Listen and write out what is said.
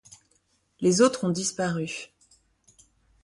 Les autres ont disparu.